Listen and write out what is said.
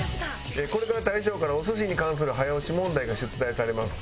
これから大将からお寿司に関する早押し問題が出題されます。